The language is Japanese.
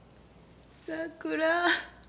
桜。